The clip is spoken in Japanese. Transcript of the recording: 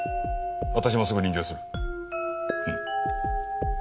私もすぐ臨場する。